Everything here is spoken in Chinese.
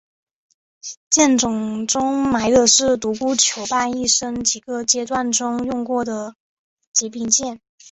剑冢中埋的是独孤求败一生几个阶段中用过的几柄剑。